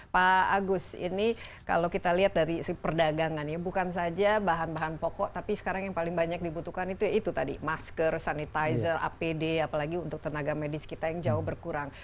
pak agus ini kalau kita lihat dari perdagangan ya bukan saja bahan bahan pokok tapi sekarang yang paling banyak dibutuhkan itu ya itu tadi masker sanitizer apd apalagi untuk tenaga medis kita yang jauh berkurang